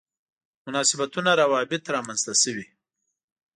مناسبتونه روابط رامنځته شوي.